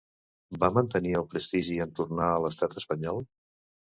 Va mantenir el prestigi en tornar a l'estat espanyol?